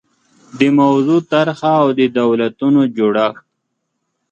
د موضوع طرحه او د دولتونو جوړښت